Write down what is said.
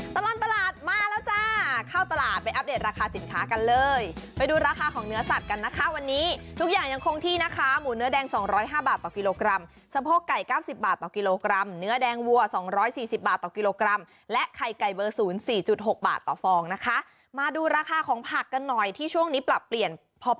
ตลอดตลาดมาแล้วจ้าเข้าตลาดไปอัปเดตราคาสินค้ากันเลยไปดูราคาของเนื้อสัตว์กันนะคะวันนี้ทุกอย่างยังคงที่นะคะหมูเนื้อแดงสองร้อยห้าบาทต่อกิโลกรัมสะโพกไก่เก้าสิบบาทต่อกิโลกรัมเนื้อแดงวัวสองร้อยสี่สิบบาทต่อกิโลกรัมและไข่ไก่เบอร์ศูนย์สี่จุดหกบาทต่อฟองนะคะมาดูราคาของผักกันหน่อยที่ช่วงนี้ปรับเปลี่ยนพอ